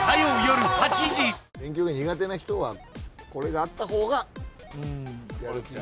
勉強が苦手な人はこれがあった方がやる気が。